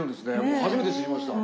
僕初めて知りました。